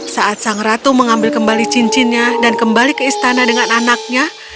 saat sang ratu mengambil kembali cincinnya dan kembali ke istana dengan anaknya